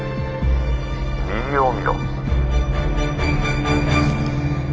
「右を見ろ」。